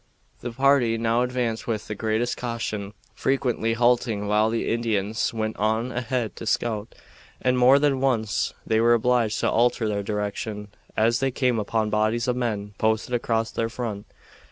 The party now advanced with the greatest caution, frequently halting while the Indians went on ahead to scout; and more than once they were obliged to alter their direction as they came upon bodies of men posted across their front.